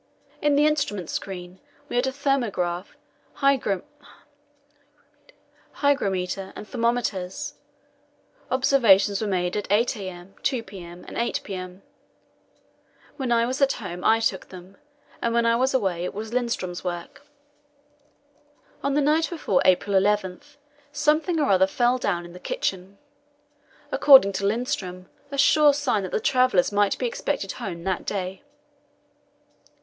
In the instrument screen we had a thermograph, hygrometer, and thermometers. Observations were made at 8 a.m., 2 p.m., and 8 p.m. When I was at home I took them, and when I was away it was Lindström's work. On the night before April 11 something or other fell down in the kitchen according to Lindström, a sure sign that the travellers might be expected home that day.